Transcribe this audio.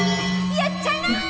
やっちゃいなよ